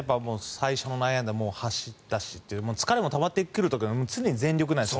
最初の内野安打も走ったし疲れもたまってくる時なのに常に全力なんです。